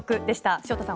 潮田さん